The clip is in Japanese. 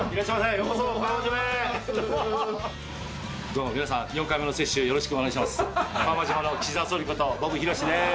どうも皆さん４回目の接種よろしくお願いします。